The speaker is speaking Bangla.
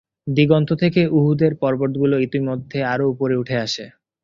দিগন্ত থেকে উহুদের পর্বতগুলো ইতোমধ্যে আরো উপরে উঠে আসে।